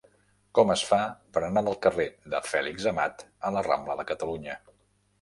Com es fa per anar del carrer de Fèlix Amat a la rambla de Catalunya?